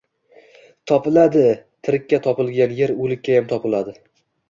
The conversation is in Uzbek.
— Topiladi, tirikka topilgan yer, o‘likkayam topiladi!